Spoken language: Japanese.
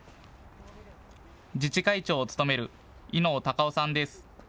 自治会長を務める伊能隆男さんです。